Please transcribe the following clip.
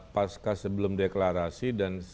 pasca sebelum deklarasi